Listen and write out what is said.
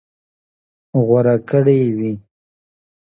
غوره کړى وي.